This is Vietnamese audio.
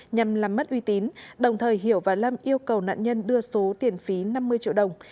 nhằm làm mất uy tín đồng thời hiểu và lâm yêu cầu nạn nhân đưa số tiền phí năm mươi triệu đồng